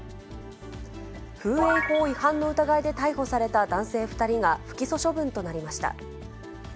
風営法違反の疑いで逮捕された男性２人が不起訴処分となりました。